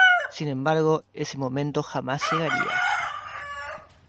Sin embargo ese momento jamás llegaría.